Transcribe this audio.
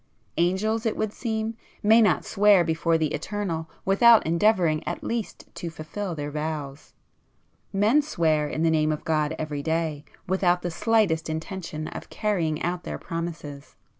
Angels, it would seem, may not swear [p 65] before the Eternal without endeavouring at least to fulfil their vows,—men swear in the name of God every day without the slightest intention of carrying out their promises."